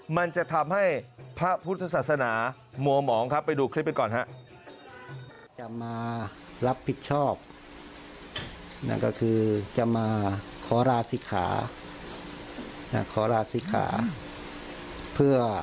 มันจะทำให้พระพุทธศาสนามัวหมองครับไปดูคลิปกันก่อนครับ